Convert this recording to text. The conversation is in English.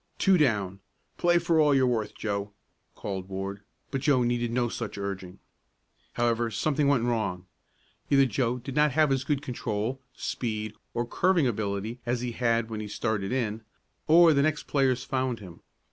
"Two down, play for all you're worth, Joe," called Ward; but Joe needed no such urging. However, something went wrong. Either Joe did not have as good control, speed or curving ability as when he had started in, or the next players found him.